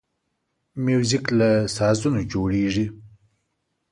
موزیک له سازونو جوړیږي.